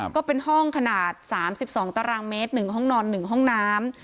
ก็เป็นห้องขนาด๓๒ตารางเมตร๑ห้องนอน๑ห้องน้ำ